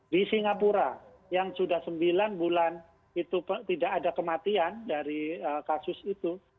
di singapura yang sudah sembilan bulan itu tidak ada kematian dari kasus itu